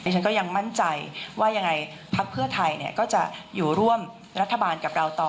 ฉันก็ยังมั่นใจว่ายังไงพักเพื่อไทยก็จะอยู่ร่วมรัฐบาลกับเราต่อ